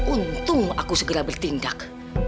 untung aku segera bertindak